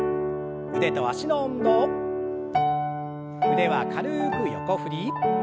腕は軽く横振り。